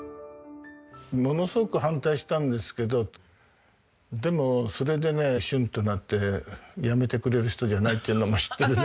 ものすごく反対したんですけどでもそれでねシュンとなってやめてくれる人じゃないっていうのも知ってるので。